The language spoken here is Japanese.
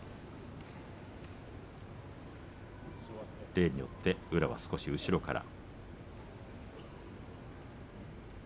例によって宇良は少し後ろから。